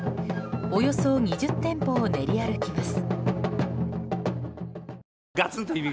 およそ２０店舗を練り歩きます。